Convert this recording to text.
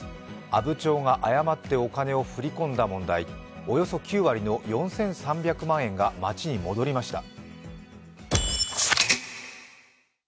阿武町が誤ってお金を振り込んだ問題、およそ９割の４３００万円が町に戻りました。